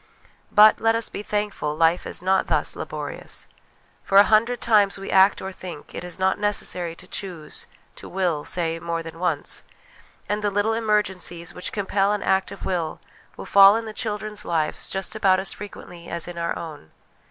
But, let us be thankful, life is not thus laborious. For a hundred times we act or think, it is not necessary to choose, to will, say, more than once. And the little emergencies, which compel an act of will, will fall in the children's lives just about 'HABIT IS TEN NATURES III as frequently as in our own.